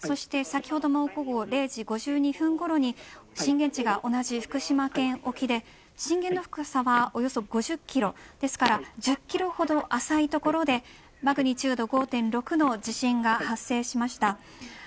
先ほども午後０時５２分ごろに震源地が同じ福島県沖で震源の深さは、およそ５０キロ１０キロほど浅い所でマグニチュード５．６の地震が発生しました。